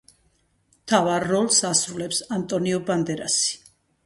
მთავარ როლს ასრულებს ანტონიო ბანდერასი.